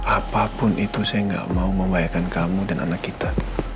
apapun itu saya gak mau membahayakan kamu dan anak kita